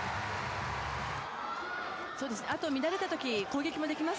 あと乱れたとき攻撃もできますから。